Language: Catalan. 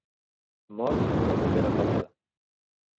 Mor en una foguera apagada.